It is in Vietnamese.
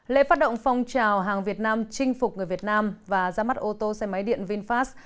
lễ phát động phong trào hàng việt nam chinh phục người việt nam và ra mắt ô tô xe máy điện vinfast